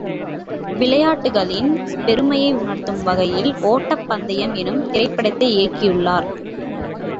விளையாட்டுக்களின் பெருமையை உணர்த்தும் வகையில் ஓட்டப் பந்தயம் எனும் திரைப்படத்தை இயக்கியுள்ளார்.